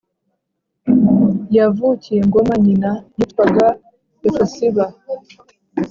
yavukiye ngoma Nyina yitwaga Hefusiba